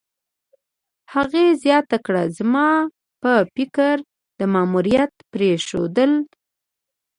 هغې زیاته کړه: "زما په فکر، د ماموریت پرېښودل